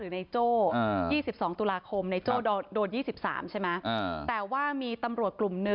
หรือนายโจยี่สิบสองตุลาคมนายโจโดนยี่สิบสามใช่ไหมแต่ว่ามีตำรวจกลุ่ม